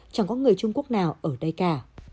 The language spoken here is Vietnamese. chẳng có người trung quốc nào ở đây cả